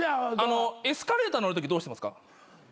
エスカレーター乗るときどうしてますか？